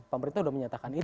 pemerintah sudah menyatakan itu